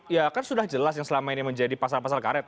ya kan sudah jelas yang selama ini menjadi pasal pasal karet